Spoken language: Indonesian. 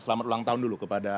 selamat ulang tahun dulu kepada